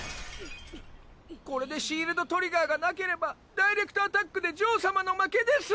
これでシールド・トリガーがなければダイレクトアタックでジョー様の負けです。